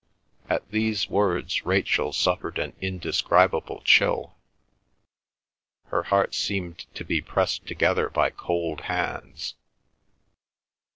At these words Rachel suffered an indescribable chill; her heart seemed to be pressed together by cold hands.